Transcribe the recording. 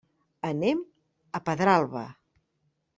Anem a Pedralba.